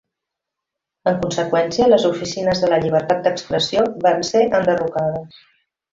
En conseqüència, les oficines de la "Llibertat d'Expressió" van ser enderrocades.